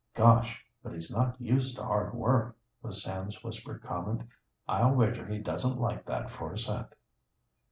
"Gosh, but he's not used to hard work," was Sam's whispered comment. "I'll wager he doesn't like that for a cent."